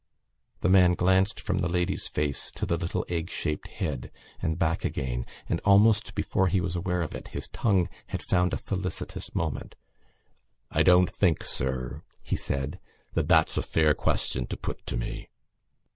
The man glanced from the lady's face to the little egg shaped head and back again; and, almost before he was aware of it, his tongue had found a felicitous moment: "I don't think, sir," he said, "that that's a fair question to put to me."